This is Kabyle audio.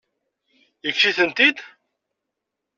Yekkes-itent-id?